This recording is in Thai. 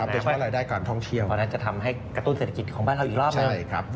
เพราะฉะนั้นพอจะทำให้กระตุ้นเศรษฐกิจของบ้านอีกรอบหนึ่ง